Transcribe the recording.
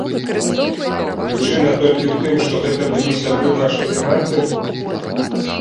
Прычына толькі ў тым, што гэта былі сябры вашай каманды?